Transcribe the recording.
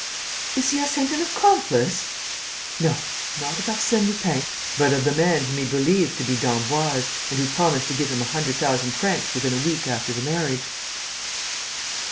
Is Hyacinthe an accomplice?" "No, not of Arsène Lupin, but of the man whom he believes to be d'Emboise and who promised to give him a hundred thousand francs within a week after the marriage."